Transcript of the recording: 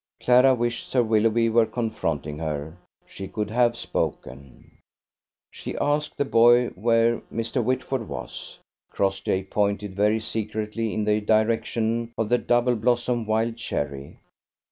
Clara wished Sir Willoughby were confronting her: she could have spoken. She asked the boy where Mr. Whitford was. Crossjay pointed very secretly in the direction of the double blossom wild cherry.